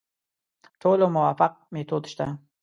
ټولو موافق میتود شته.